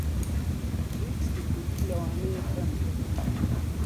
تێکستی کووردی لەوانەیە کەم بێت